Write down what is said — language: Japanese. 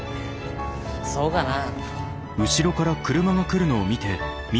そうかなぁ。